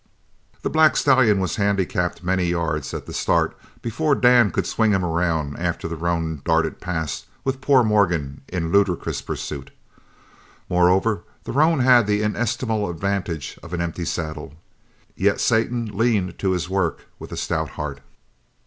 The black stallion was handicapped many yards at the start before Dan could swing him around after the roan darted past with poor Morgan in ludicrous pursuit. Moreover, the roan had the inestimable advantage of an empty saddle. Yet Satan leaned to his work with a stout heart.